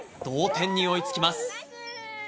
同点に追いつきます。